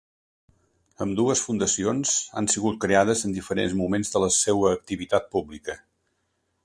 Ambdues fundacions han sigut creades en diferents moments de la seua activitat pública.